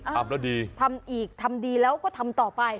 ทำแล้วดีทำอีกทำดีแล้วก็ทำต่อไป